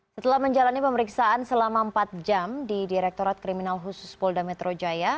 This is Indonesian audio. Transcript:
setelah menjalani pemeriksaan selama empat jam di direktorat kriminal khusus polda metro jaya